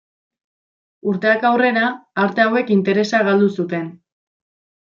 Urteak aurrera, arte hauek interesa galdu zuten.